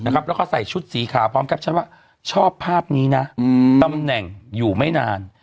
แล้วก็ใส่ชุดสีขาวพร้อมแคปชั่นว่าชอบภาพนี้นะตำแหน่งอยู่ไม่นาน